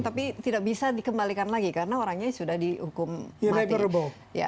tapi tidak bisa dikembalikan lagi karena orangnya sudah dihukum mati